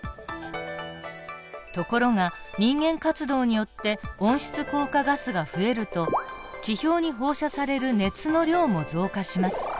ところが人間活動によって温室効果ガスが増えると地表に放射される熱の量も増加します。